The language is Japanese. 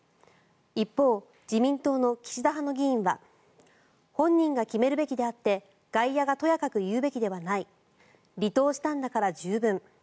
一方、自民党の岸田派の議員は本人が決めるべきであって外野がとやかく言うべきではない離党したんだから十分。